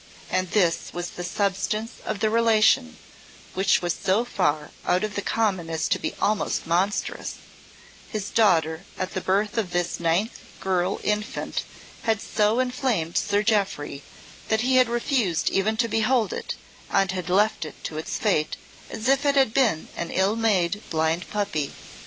And this was the substance of the relation, which was so far out of the common as to be almost monstrous: His disgust at the birth of this ninth girl infant had so inflamed Sir Jeoffry that he had refused even to behold it and had left it to its fate as if it had been an ill made, blind puppy.